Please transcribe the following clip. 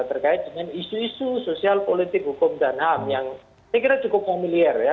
terkait dengan isu isu sosial politik hukum dan ham yang saya kira cukup familiar ya